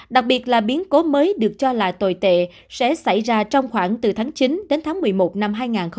đặc biệt là biến cố mới được cho là tồi tệ sẽ xảy ra trong khoảng từ tháng chín đến tháng một mươi một năm hai nghìn hai mươi